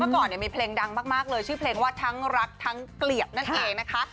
ตอนนี้มีเพลงดังมากเลยชื่อเพลงว่าทั้งรักทั้งเกลียบไว้นะคะ